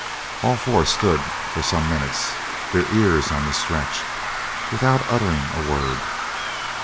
All four stood for some minutes, their ears on the stretch, without uttering a word.